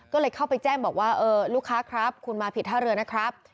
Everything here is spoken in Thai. ก็เลยเข้าไปแจ้งบอกว่าเออลูกค้าครับคุณมาผิดท่าเรือนะครับ